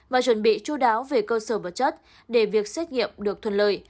và chuẩn bị chú đáo về cơ sở vật chất để việc xét nghiệm được thuận lợi